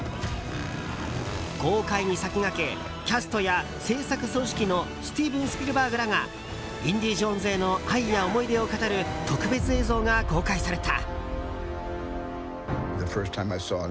公開に先駆け、キャストや製作総指揮のスティーブン・スピルバーグらが「インディ・ジョーンズ」への愛や思い出を語る特別映像が公開された。